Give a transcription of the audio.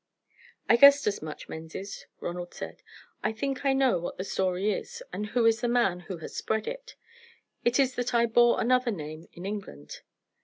"I guessed as much, Menzies," Ronald said. "I think I know what the story is, and who is the man who has spread it. It is that I bore another name in England."